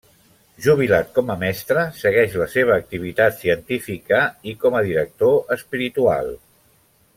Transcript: Jubilat com a mestre, segueix la seva activitat científica i com a director espiritual.